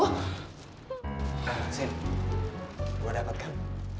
ah sin gue dapet kan